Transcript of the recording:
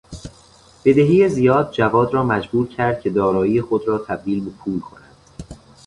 بدهی زیاد جواد را مجبور کرد که دارایی خود را تبدیل به پول کند.